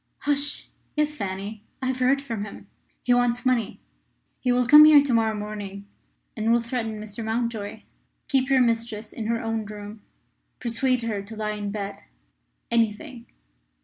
"Hush! Yes, Fanny; I have heard from him. He wants money. He will come here to morrow morning, and will threaten Mr. Mountjoy. Keep your mistress in her own room. Persuade her to lie in bed anything."